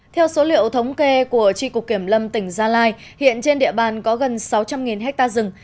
theo số liệu thống kê của tri cục kiểm lâm tỉnh gia lai hiện trên địa bàn có gần sáu trăm linh hectare rừng